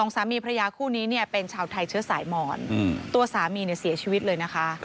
สามีพระยาคู่นี้เนี่ยเป็นชาวไทยเชื้อสายหมอนตัวสามีเนี่ยเสียชีวิตเลยนะคะ